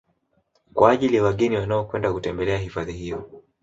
Kwa ajili ya wageni wanaokwenda kutembelea hifadhi hiyo